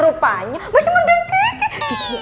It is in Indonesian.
rupanya masih mendengkeke